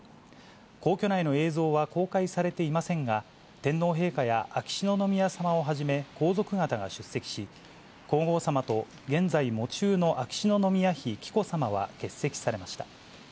皇居内の映像は公開されていませんが、天皇陛下や秋篠宮さまをはじめ、皇族方が出席し、皇后さまと現在喪中の秋篠宮妃紀子さまは欠席されました。